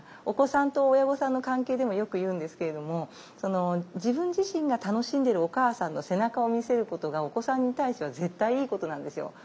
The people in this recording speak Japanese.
お子さんと親御さんの関係でもよく言うんですけれども自分自身が楽しんでるお母さんの背中を見せることがお子さんに対しては絶対いいことなんですよ。